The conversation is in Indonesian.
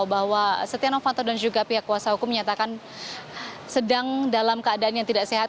bahwa setia novanto dan juga pihak kuasa hukum menyatakan sedang dalam keadaan yang tidak sehat